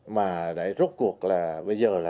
mà để rút cuộc là bây giờ là